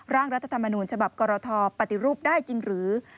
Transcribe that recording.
รัฐธรรมนูญฉบับกรทปฏิรูปได้จริงหรือ